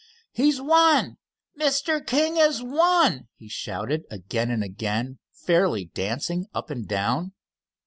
"He's won Mr. King has won!" he shouted again and again, fairly dancing up and down.